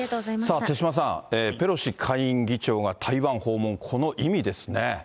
手嶋さん、ペロシ下院議長が台湾訪問、この意味ですね。